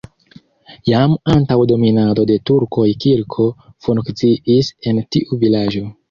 Jam antaŭ dominado de turkoj kirko funkciis en tiu vilaĝo.